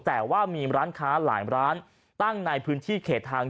แต่ว่ามีร้านค้าหลายร้านตั้งในพื้นที่เขตทาง